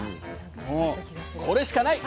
もうこれしかない。